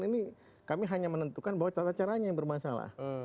ini kami hanya menentukan bahwa tata caranya yang bermasalah